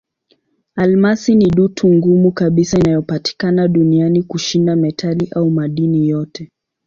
Almasi ni dutu ngumu kabisa inayopatikana duniani kushinda metali au madini yote.